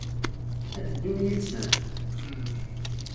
Ad d-ddun yid-sent?